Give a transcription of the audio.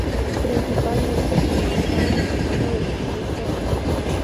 Principalmente en el estado mexicano de San Luis Potosí.